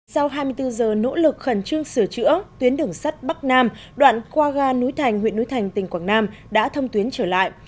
sau hai mươi bốn giờ nỗ lực khẩn trương sửa chữa tuyến đường sắt bắc nam đoạn qua ga núi thành huyện núi thành tỉnh quảng nam đã thông tuyến trở lại